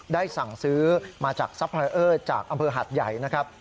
สั่งซื้อมาจากซัพเรอจากอำเภอหัดใหญ่นะครับ